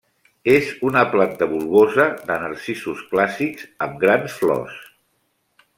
És una planta bulbosa de narcisos clàssics amb grans flors.